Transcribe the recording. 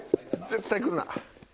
絶対くるな。